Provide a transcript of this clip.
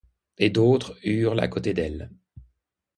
Et d’autres hurlent à côté d’elle.